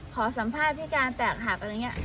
ขอสัมภาษณ์พี่การแตกหัก